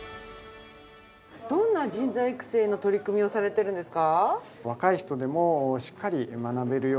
どんな人材育成の取り組みをされているんですか？